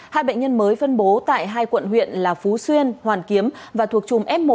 hai bệnh nhân mới phân bố tại hai quận huyện là phú xuyên hoàn kiếm và thuộc chùm f một